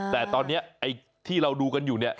แต่ตอนนี้ไอ้ที่เราดูกันอยู่เนี่ย